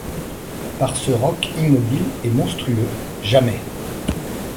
Par ce roc immobile et monstrueux, jamais !